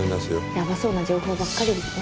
ヤバそうな情報ばっかりですね。